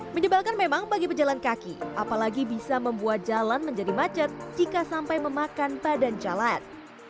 menyebalkan memang bagi pejalan kaki apalagi bisa membuat jalan menjadi macet jika sampai memakan badan jalan